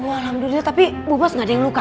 alhamdulillah tapi bu bos gak ada yang luka